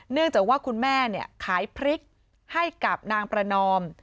เนื่องจากว่าคุณแม่ขายพริกให้กับนางประนอม